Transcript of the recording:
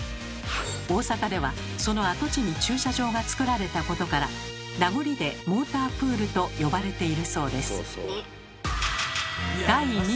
大阪ではその跡地に駐車場がつくられたことから名残でモータープールと呼ばれているそうです。